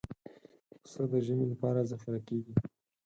پسه د ژمي لپاره ذخیره کېږي.